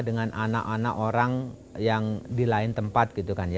dengan anak anak orang yang di lain tempat